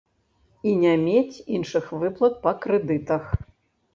І не мець іншых выплат па крэдытах.